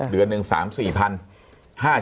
เดือนหนึ่ง๓๐๐๐หรือ๔๐๐๐